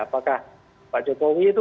apakah pak jokowi itu